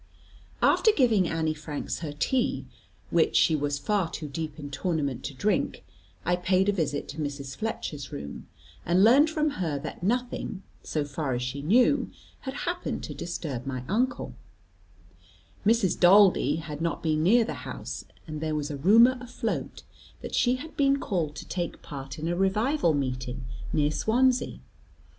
After giving Annie Franks her tea, which she was far too deep in tournament to drink, I paid a visit to Mrs. Fletcher's room, and learned from her that nothing, so far as she knew, had happened to disturb my uncle: Mrs. Daldy had not been near the house, and there was a rumour afloat that she had been called to take part in a revival meeting near Swansea.